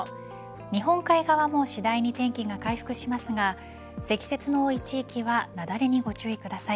日本海側も次第に天気が回復しますが積雪の多い地域は雪崩にご注意ください。